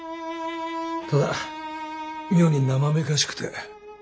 ただ妙になまめかしくて。